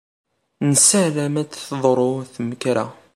Nessaram ad d-teḍru temkerra.